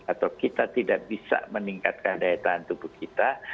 atau kita tidak bisa meningkatkan daya tahan tubuh kita